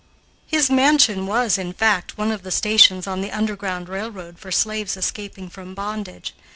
His mansion was, in fact, one of the stations on the "underground railroad" for slaves escaping from bondage.